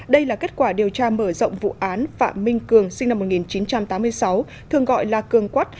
đây là kết quả điều tra mở rộng vụ án phạm minh cường sinh năm một nghìn chín trăm tám mươi sáu thường gọi là cường quắt